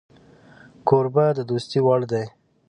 کوربه د دوستۍ وړ دی